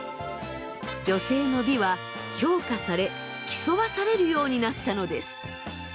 女性の美は評価され競わされるようになったのです。